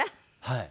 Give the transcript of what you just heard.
はい。